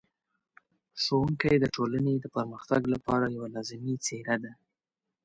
ښوونکی د ټولنې د پرمختګ لپاره یوه لازمي څېره ده.